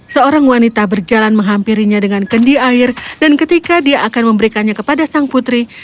seorang wanita berjalan menghampirinya dengan kendi air dan ketika dia akan memberikannya kepada sang putri